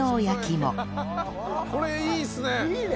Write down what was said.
これいいですね。